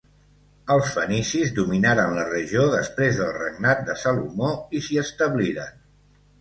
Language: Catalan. Els fenicis dominaren la regió després del regnat de Salomó i s'hi establiren.